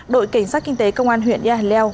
đội cảnh sát kinh tế công an huyện nha hình leo